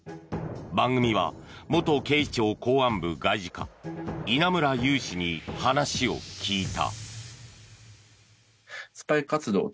番組は元警視庁公安部外事課稲村悠氏に話を聞いた。